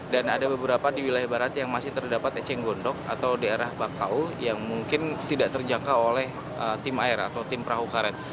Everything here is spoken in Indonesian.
dan ada beberapa di wilayah barat yang masih terdapat eceng gondok atau di arah bakau yang mungkin tidak terjangka oleh tim air atau tim perahu karet